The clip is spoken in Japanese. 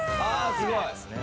すごい！